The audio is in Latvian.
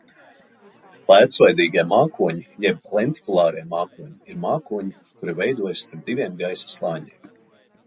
Lēcveidīgie mākoņi jeb lentikulārie mākoņi ir mākoņi, kuri veidojas starp diviem gaisa slāņiem.